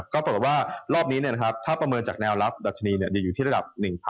ก็ตรงนี้นะครับถ้าประเมินจากแนวลับดัชนีอยู่ที่ระดับ๑๕๕๐จุดนะครับ